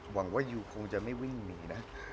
หวังว่ายูคงจะไม่วิ่งหนีนะ